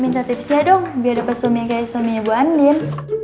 minta tipsnya dong biar dapet suaminya kayak suaminya bu andin